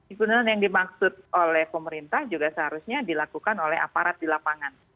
ikunan yang dimaksud oleh pemerintah juga seharusnya dilakukan oleh aparat di lapangan